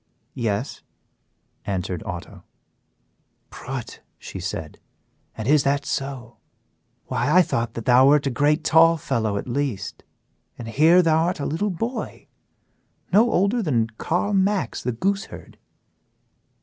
"Yes," answered Otto. "Prut!" said she, "and is that so! Why, I thought that thou wert a great tall fellow at least, and here thou art a little boy no older than Carl Max, the gooseherd."